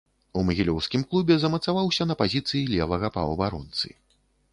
У магілёўскім клубе замацаваўся на пазіцыі левага паўабаронцы.